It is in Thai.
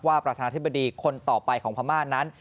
ประธานาธิบดีคนต่อไปของพม่านั้น